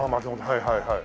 はいはいはい。